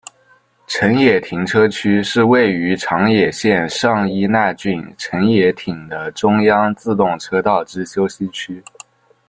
辰野停车区是位于长野县上伊那郡辰野町的中央自动车道之休息区。